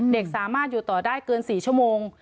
เด็กสามารถอยู่ต่อได้เกิน๔ชั่วโมง